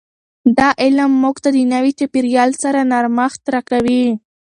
دا علم موږ ته د نوي چاپیریال سره نرمښت راکوي.